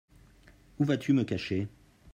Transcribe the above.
Où vas-tu me cacher ?